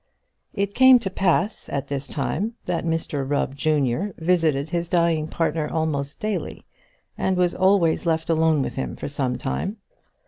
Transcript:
It came to pass at this time that Mr Rubb, junior, visited his dying partner almost daily, and was always left alone with him for some time.